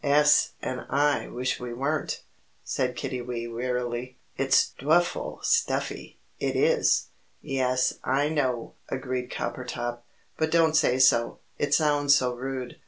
"'Es, and I wish we weren't," said Kiddiwee, wearily; "it's drefful stuffy, it is." "Yes, I know," agreed Coppertop; "but don't say so, it sounds so rude.